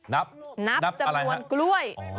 นับนับอะไรนะนับจำนวนกล้วยอ๋อ